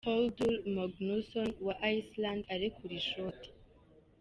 Hordur Magnusson wa Iceland arekura ishoti.